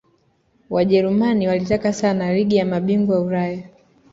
Wajerumani walitaka sana ligi ya mabingwa Ulaya